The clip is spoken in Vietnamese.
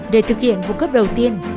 để thực hiện vụ cấp đầu tiên